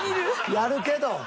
やるけど。